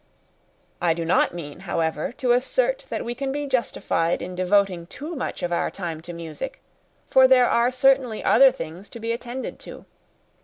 I do not mean, however, to assert that we can be justified in devoting too much of our time to music, for there are certainly other things to be attended to.